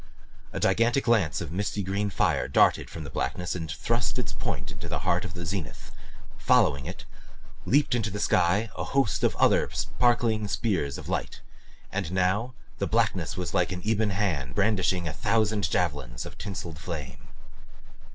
A gigantic lance of misty green fire darted from the blackness and thrust its point into the heart of the zenith; following it, leaped into the sky a host of the sparkling spears of light, and now the blackness was like an ebon hand, brandishing a thousand javelins of tinseled flame.